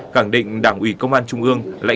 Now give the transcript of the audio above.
cẳng định đảng ủy công an trung ương